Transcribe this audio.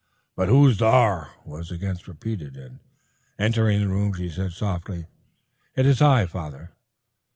But "Who's thar?" was again repeated, and entering the room she said softly, "It's I, father."